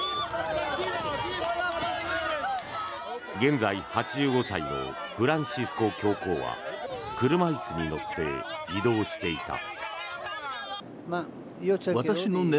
現在８５歳のフランシスコ教皇は車椅子に乗って移動していた。